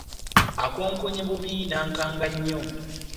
Akonkonye bubi n'ankanga nnyo .